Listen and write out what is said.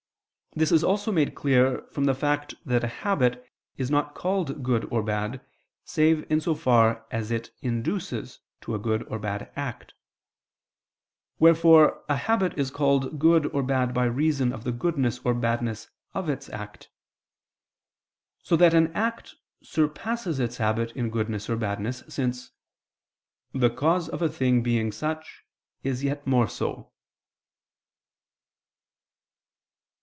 This is also made clear from the fact that a habit is not called good or bad, save in so far as it induces to a good or bad act: wherefore a habit is called good or bad by reason of the goodness or badness of its act: so that an act surpasses its habit in goodness or badness, since "the cause of a thing being such, is yet more so."